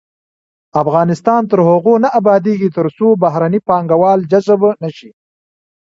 افغانستان تر هغو نه ابادیږي، ترڅو بهرني پانګوال جذب نشي.